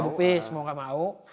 tetap lima ribu piece mau gak mau